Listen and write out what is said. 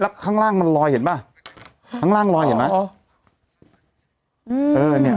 แล้วข้างล่างมันลอยเห็นป่ะข้างล่างลอยเห็นไหมอ๋ออืมเออเนี้ย